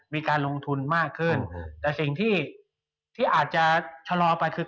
มีการลงทุนมากขึ้นแต่สิ่งที่ที่อาจจะชะลอไปคือ